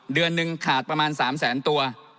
เดือนหนึ่งขาดประมาณ๓แสนตัว